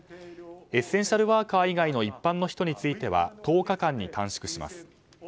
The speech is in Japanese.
エッセンシャルワーカー以外の一般の人については１０日間に短縮します。